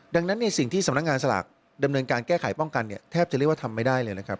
ดังนั้นในสิ่งที่สำนักงานสลากดำเนินการแก้ไขป้องกันเนี่ยแทบจะเรียกว่าทำไม่ได้เลยนะครับ